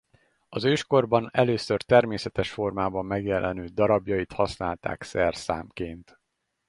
Az őskorban először természetes formában megjelenő darabjait használták szerszámként.